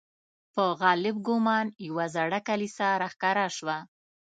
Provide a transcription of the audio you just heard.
په غالب ګومان یوه زړه کلیسا را ښکاره شوه.